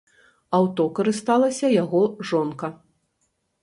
Аўто карысталася яго жонка.